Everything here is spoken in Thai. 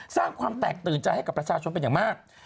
สร้างความแตกตื่นใจให้กับประชาชนเป็นอย่างมาก